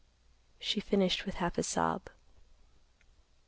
She finished with a half sob.